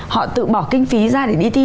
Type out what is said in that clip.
họ tự bỏ kinh phí ra để đi thi